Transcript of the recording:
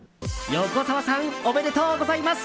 横澤さんおめでとうございます！